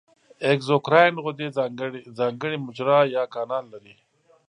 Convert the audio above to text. اګزوکراین غدې ځانګړې مجرا یا کانال لري.